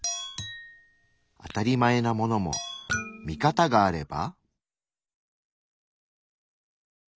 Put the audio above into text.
「あたりまえ」なものも「ミカタ」があれば。